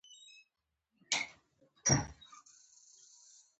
ټرمپ په امریکا کې ولسمشر شوی و.